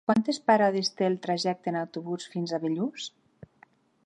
Quantes parades té el trajecte en autobús fins a Bellús?